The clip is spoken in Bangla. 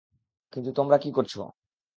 কিন্তু তোমরা কী করছো?